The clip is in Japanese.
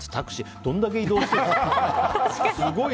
どんだけ移動してるの。